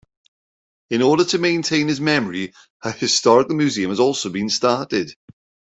In order to maintain his memory a historical museum has also been started.